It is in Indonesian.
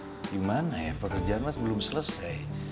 gimana ya pekerjaan mas belum selesai